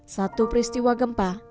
satu peristiwa gempa